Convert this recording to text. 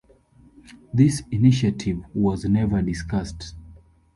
This initiative was never discussed.